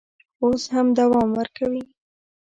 اوس هم دوام ورکوي.